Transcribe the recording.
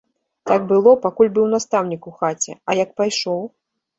Так было, пакуль быў настаўнік у хаце, а як пайшоў?